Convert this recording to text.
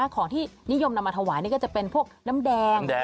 ของที่นิยมนำมาถวายนี่ก็จะเป็นพวกน้ำแดง